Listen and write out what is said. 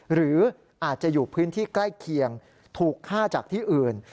หรืออาจจะอยู่พื้นที่ใกล้เคียงถูกฆ่าจากที่อื่น